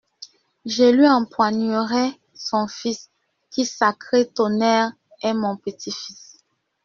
Je lui empoignerai son fils, qui, sacré tonnerre, est mon petit-fils.